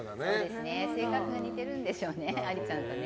性格が似てるんでしょうねありちゃんと。